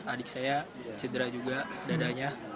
adik saya cedera juga dadanya